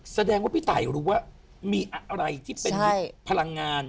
แสดงว่าพี่ตายรู้ว่ามีอะไรที่เป็นพลังงาน